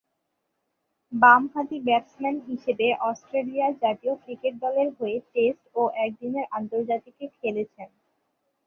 বামহাতি ব্যাটসম্যান হিসেবে অস্ট্রেলিয়া জাতীয় ক্রিকেট দলের হয়ে টেস্ট ও একদিনের আন্তর্জাতিকে খেলেছেন।